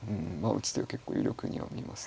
打つ手が結構有力には見えます。